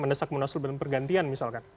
menesak munasul dan pergantian misalkan